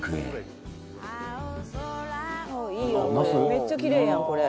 めっちゃキレイやんこれ。